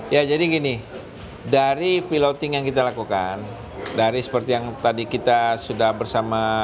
ya jadi gini dari piloting yang kita lakukan dari seperti yang tadi kita sudah bersama